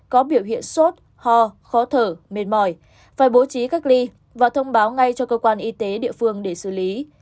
có biểu hiện sốt ho khó thở mệt mỏi phải bố trí cách ly và thông báo ngay cho cơ quan y tế địa phương để xử lý